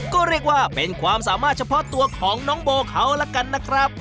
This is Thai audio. ก็เรียกว่าเป็นความสามารถเฉพาะตัวของน้องโบเขาละกันนะครับ